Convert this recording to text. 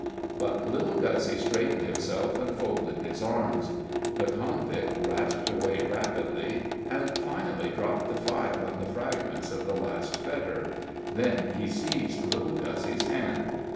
But little Guzzy straightened himself and folded his arms. The convict rasped away rapidly, and finally dropped the file and the fragments of the last fetter. Then he seized little Guzzy's hand.